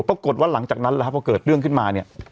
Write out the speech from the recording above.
ปรากฏว่าหลังจากนั้นนะฮะเพราะเกิดเรื่องขึ้นมานี่